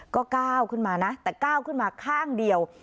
ก็ก้าวขึ้นมานะแต่ก้าวขึ้นมาข้างเดียว